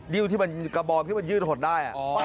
้วที่มันกระบองที่มันยืดหดได้